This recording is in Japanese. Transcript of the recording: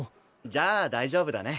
じゃあ大丈夫だね。